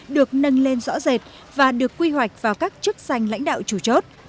được nâng lên rõ rệt và được quy hoạch vào các chức danh lãnh đạo chủ chốt